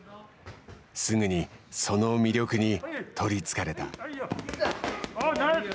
すぐにその魅力にとりつかれた。